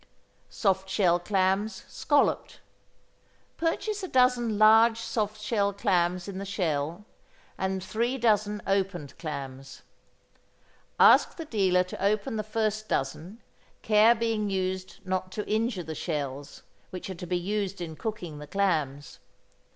=Soft Shell Clams, Scalloped.= Purchase a dozen large soft clams in the shell, and three dozen opened clams. Ask the dealer to open the first dozen, care being used not to injure the shells, which are to be used in cooking the clams.